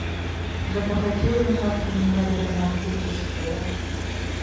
Забагацеў ён раптам немаведама адкуль, ці што!